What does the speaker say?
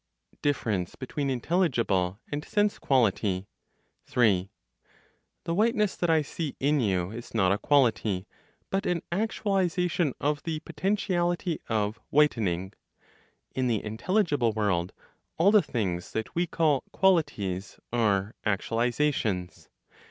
DIFFERENCE BETWEEN INTELLIGIBLE AND SENSE QUALITY. 3. The whiteness that I see in you is not a quality, but an actualization of the potentiality of whitening. In the intelligible world all the things that we call qualities are actualizations.